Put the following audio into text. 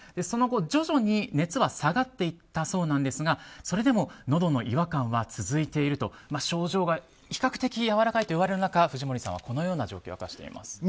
その後、徐々に熱は下がっていったそうですがそれでも、のどの違和感は続いていると症状が比較的やわらかいといわれる中藤森さんはこのような状況を明かしています。